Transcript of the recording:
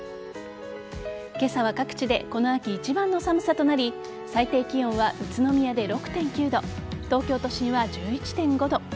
今朝は各地でこの秋一番の寒さとなり最低気温は、宇都宮で６．９度東京都心は１１．５度。